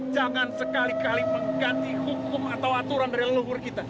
jangan sekali kali mengganti hukum atau aturan dari leluhur kita